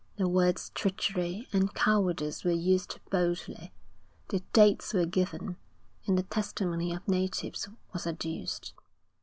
The words treachery and cowardice were used boldly. The dates were given, and the testimony of natives was adduced.